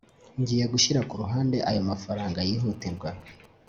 ngiye gushyira ku ruhande ayo mafranga yihutirwa